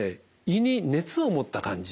胃に熱を持った感じ。